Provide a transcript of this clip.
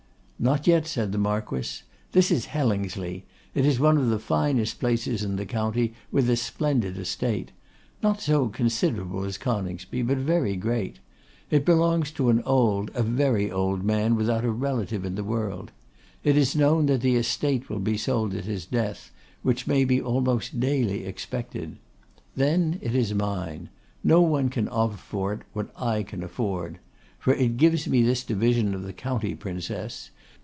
'Not yet,' said the Marquess. 'That is Hellingsley; it is one of the finest places in the county, with a splendid estate; not so considerable as Coningsby, but very great. It belongs to an old, a very old man, without a relative in the world. It is known that the estate will be sold at his death, which may be almost daily expected. Then it is mine. No one can offer for it what I can afford. For it gives me this division of the county, Princess.